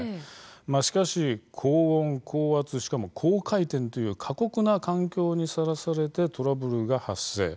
しかし高温、高圧しかも高回転という過酷な環境にさらされてトラブルが発生。